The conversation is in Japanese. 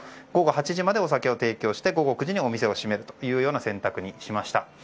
午後８時までお酒を提供して午後９時にお店を閉めるという選択にしました。